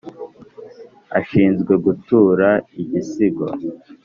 ashinzwe gutura igisigo)